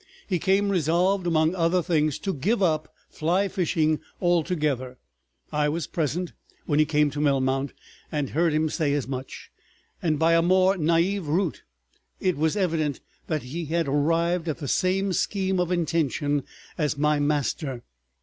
He came resolved, among other things, to give up fly fishing altogether. I was present when he came to Melmount, and heard him say as much; and by a more naive route it was evident that he had arrived at the same scheme of intention as my master.